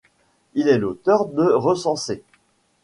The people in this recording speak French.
Il est l'auteur de recensées.